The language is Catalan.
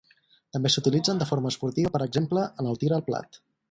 També s'utilitzen de forma esportiva per exemple en el tir al plat.